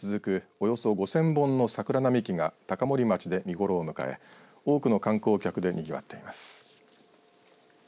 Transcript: およそ５０００本の桜並木が高森町で見頃を迎え多くの観光客でにぎわっています。